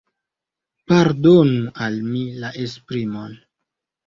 Pardonu al mi la esprimon.